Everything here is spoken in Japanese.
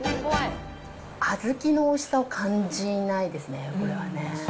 小豆のおいしさ感じないですね、これはね。